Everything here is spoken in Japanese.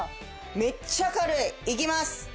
めっちゃ軽い。いきます！